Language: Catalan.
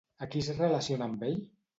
A qui es relaciona amb ell?